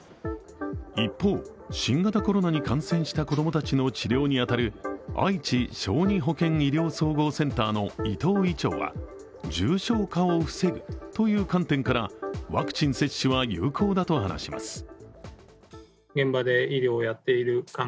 一方、新型コロナに感染した子供たちの治療に当たるあいち小児保健医療総合センターの伊藤医長は重症化を防ぐという観点からワクチン接種は有効だと話します。